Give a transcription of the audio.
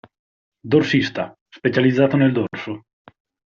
Dorsista: Specializzato nel dorso.